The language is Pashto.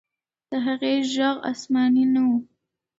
د هغې ږغ آسماني نه و.